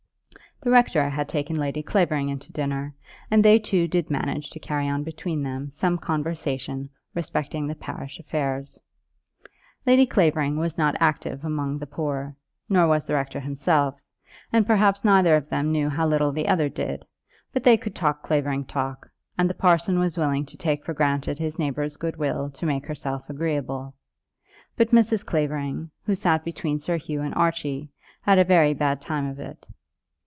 The rector had taken Lady Clavering in to dinner, and they two did manage to carry on between them some conversation respecting the parish affairs. Lady Clavering was not active among the poor, nor was the rector himself, and perhaps neither of them knew how little the other did; but they could talk Clavering talk, and the parson was willing to take for granted his neighbour's good will to make herself agreeable. But Mrs. Clavering, who sat between Sir Hugh and Archie, had a very bad time of it.